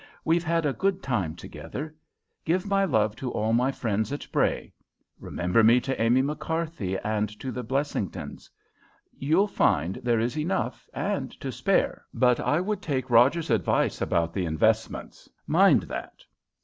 We've had a good time together. Give my love to all my friends at Bray! Remember me to Amy McCarthy and to the Blessingtons. You'll find there is enough and to spare, but I would take Rogers's advice about the investments. Mind that!"